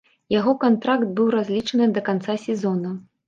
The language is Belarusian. Яго кантракт быў разлічаны да канца сезона.